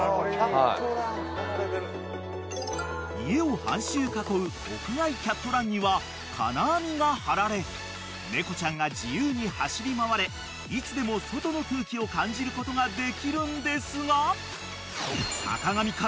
［家を半周囲う屋外キャットランには金網が張られ猫ちゃんが自由に走り回れいつでも外の空気を感じることができるんですが］